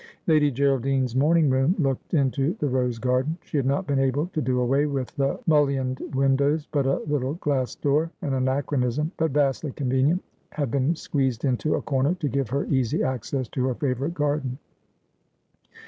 Lady G eraldine's morning room looked into the rose garden. She had not been able to do away with the mullioned windows, but a little glass door — an anachronism, but vastly convenient — had been squeezed into a corner to give her easy access to her favourite garden.